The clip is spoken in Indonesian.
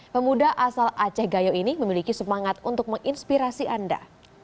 pemuda asal aceh gayo ini memiliki semangat untuk menginspirasi anda